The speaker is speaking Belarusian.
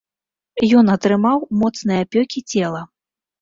Ён атрымаў моцныя апёкі цела.